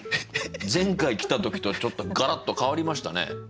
前回来た時とはちょっとガラッと変わりましたね。